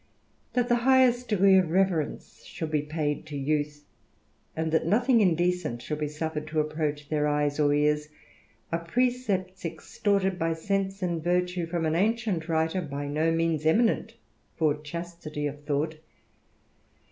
That the highest degree of reverence should be paid to youth, and that nothing indecent should be suffered to approach their eyes or ears, are precepts extorted by sense and virtue from an ancient writer, by no means eminent for chastit>' of thought.